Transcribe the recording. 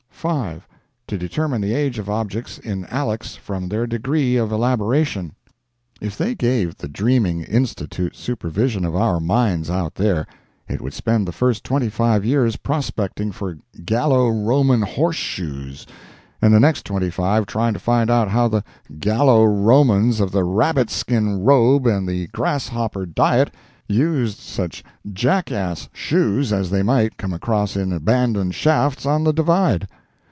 "5. To determine the age of objects in allex from their degree of elaboration." If they gave the dreaming Institute supervision of our mines out there, it would spend the first twenty five years prospecting for Gallo Roman horseshoes, and the next twenty five trying to find out how the Gallo Romans of the rabbit skin robe and the grasshopper diet used such jackass shoes as they might come across in abandoned shafts on the Divide.